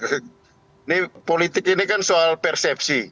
ini politik ini kan soal persepsi